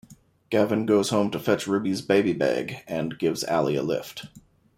Gavin goes home to fetch Ruby's baby bag and gives Allie a lift.